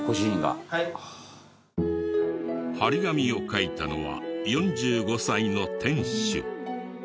貼り紙を書いたのは４５歳の店主。